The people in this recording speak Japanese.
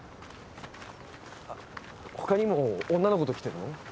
他にも女の子と来てるの？